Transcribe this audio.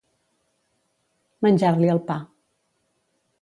Menjar-li el pa.